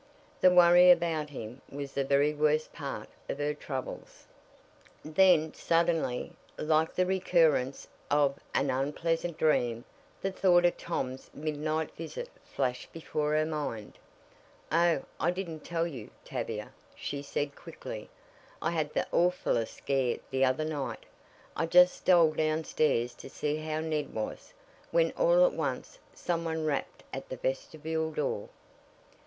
The worry about him was the very worst part of her troubles. Then, suddenly, like the recurrence of an unpleasant dream, the thought of Tom's midnight visit flashed before her mind. "Oh, I didn't tell you, Tavia," she said quickly. "I had the awfullest scare the other night. I just stole downstairs to see how Ned was, when all at once some one rapped at the vestibule door."